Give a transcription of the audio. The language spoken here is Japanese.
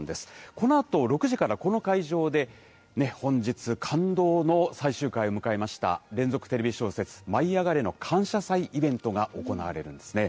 このあと６時からこの会場で、本日感動の最終回を迎えました、連続テレビ小説、舞いあがれ！の感謝祭イベントが行われるんですね。